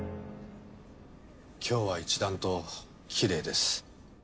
今日は一段とキレイです。